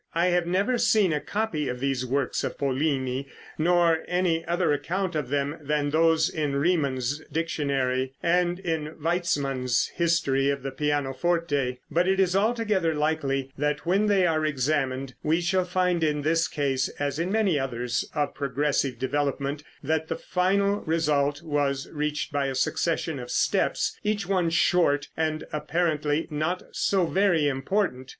I have never seen a copy of these works of Pollini, nor any other account of them than those in Riemann's dictionary and in Weitzmann's history of the pianoforte, but it is altogether likely that when they are examined we shall find in this case, as in many others of progressive development, that the final result was reached by a succession of steps, each one short, and apparently not so very important.